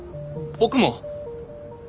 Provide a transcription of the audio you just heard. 僕も。